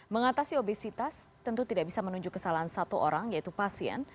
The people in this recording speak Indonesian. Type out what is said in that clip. mengatasi obesitas tentu tidak bisa menunjuk kesalahan satu orang yaitu pasien